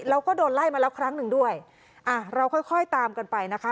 แล้วก็โดนไล่มาแล้วครั้งหนึ่งด้วยอ่ะเราค่อยค่อยตามกันไปนะคะ